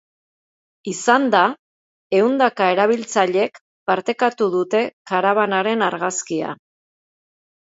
Izanda, ehundaka erabiltzailek partekatu dute karabanaren argazkia.